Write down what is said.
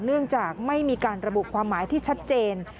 เนื่องจากไม่มีการระบุความหมายที่ชัดเจน